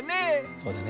そうだね。